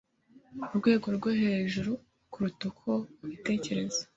Urwego rwo hejuru kuruta uko ubitekereza